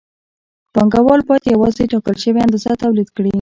پانګوال باید یوازې ټاکل شوې اندازه تولید کړي